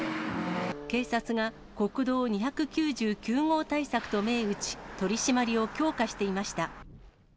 警察が国道２９９号対策と銘打ち、取締りを強化していました。